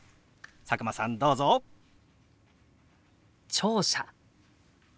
聴者。